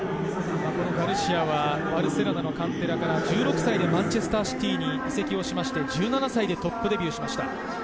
ガルシアはバルセロナのカンテラから１６歳でマンチェスター・シティに移籍をして１７歳でトップデビューしました。